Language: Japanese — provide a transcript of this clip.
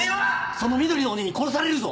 その緑の鬼に殺されるぞ！